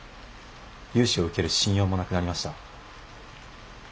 融資を受ける信用もなくなりました。